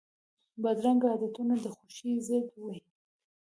بدرنګه عادتونه د خوښۍ ضد وي